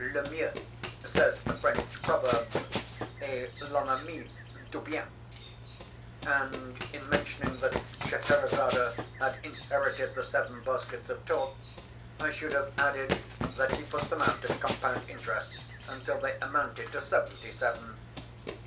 "Le mieux," says a French proverb, "est l'ennemi du bien," and, in mentioning that Scheherazade had inherited the seven baskets of talk, I should have added that she put them out at compound interest until they amounted to seventy seven.